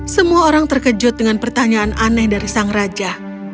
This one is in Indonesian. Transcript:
semua orang terkejut dengan pertanyaan aneh dari sang raja